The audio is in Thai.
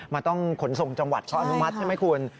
มันต้องขนส่งจังหวัดเขาอนุมัติใช่ไหมคุณ